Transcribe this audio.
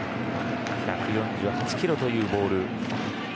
１４８キロというボール。